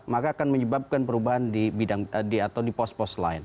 maka akan menyebabkan perubahan di bidang atau di pos pos lain